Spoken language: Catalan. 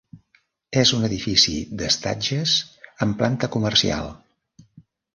És un edifici d'estatges amb planta comercial.